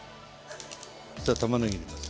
そしたらたまねぎ入れます。